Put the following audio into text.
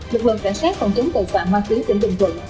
lực lượng cảnh sát phòng chống tội phạm ma túy tỉnh bình thuận